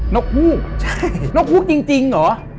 นกหลูกจริงเหรอ